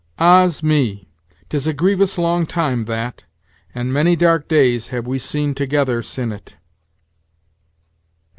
Ah's me! 'tis a grevious long time that, and many dark days have we seen together sin' it."